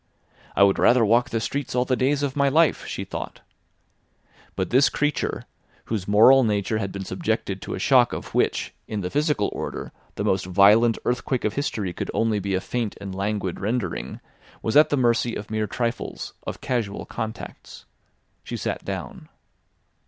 "I would rather walk the streets all the days of my life," she thought. But this creature, whose moral nature had been subjected to a shock of which, in the physical order, the most violent earthquake of history could only be a faint and languid rendering, was at the mercy of mere trifles, of casual contacts. She sat down.